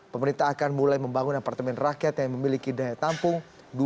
pemerintah akan mulai membangun apartemen rakyat yang memiliki daya tampung